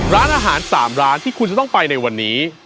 ร้านอาหาร๓ร้านที่คุณจะต้องไปในวันนี้